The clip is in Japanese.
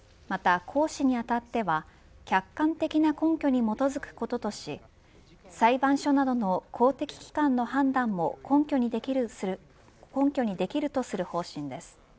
また、行使にあたっては客観的な根拠に基づくこととし裁判所などの公的機関の判断も根拠にできるとする方針です。